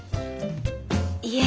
いえ。